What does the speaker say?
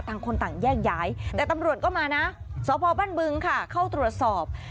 ต่างคนต่างแยกย้ายแต่ตำรวจก็มานะสพบ้านบึงค่ะเข้าตรวจสอบ